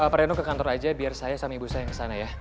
pak reno ke kantor aja biar saya sama ibu saya yang kesana ya